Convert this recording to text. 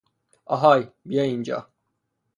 آهای، بیا اینجا!